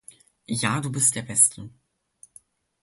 Ja du bist der beste